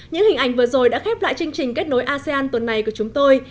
những hình ảnh vừa rồi đã khép lại chương trình kết nối asean tuần này của chúng tôi